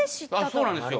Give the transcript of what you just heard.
そうなんですよ。